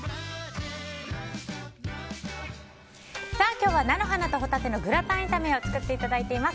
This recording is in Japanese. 今日は菜の花とホタテのグラタン炒めを作っていただいています。